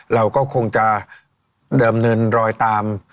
เราก็คงจะเดิมเนินรอยตาม